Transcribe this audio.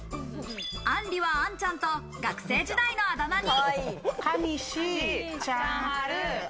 あんりは、あんちゃんと学生時代のあだ名に。